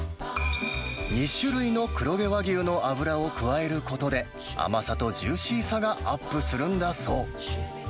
２種類の黒毛和牛の脂を加えることで、甘さとジューシーさがアップするんだそう。